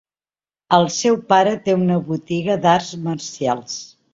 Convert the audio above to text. El seu pare té una botiga d'arts marcials.